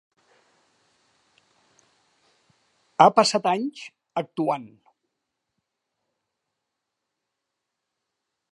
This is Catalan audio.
Ha passat anys actuant.